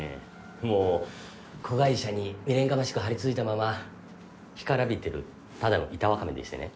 もう子会社に未練がましく張り付いたまま干からびてるただの板わかめでしてね。